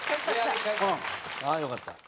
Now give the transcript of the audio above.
ああよかった。